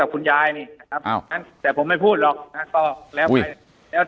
แต่คุณยายจะขอย้ายโรงเรียน